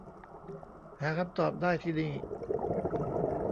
หาคำตอบได้ ที่นี่